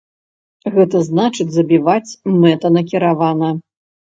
Гэта значыць, забіваць мэтанакіравана.